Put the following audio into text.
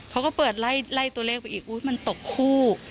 เขาก็เปิดไล่ตัวเลขไปอีกอุ๊ยมันตกคู่